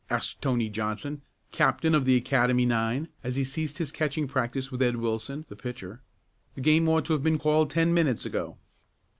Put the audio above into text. asked Tony Johnson, captain of the Academy nine, as he ceased his catching practice with Ed. Wilson, the pitcher. "The game ought to have been called ten minutes ago."